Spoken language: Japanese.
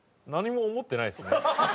何も思ってないですね。